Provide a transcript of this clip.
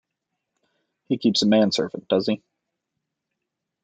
He keeps a manservant, does he?